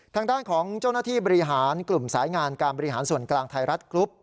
ทางด้านของเจ้าหน้าที่บริหารกลุ่มสายงานการบริหารส่วนกลางไทยรัฐกรุ๊ป